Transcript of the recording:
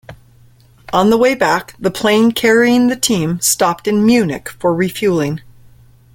On the way back, the plane carrying the team stopped in Munich for refuelling.